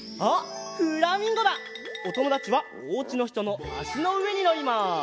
おともだちはおうちのひとのあしのうえにのります。